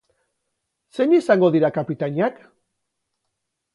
Zein izango dira kapitainak?